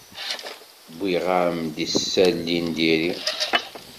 Wwiɣ-am-d isali n diri.